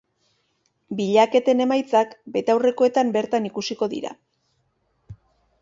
Bilaketen emaitzak betaurrekoetan bertan ikusiko dira.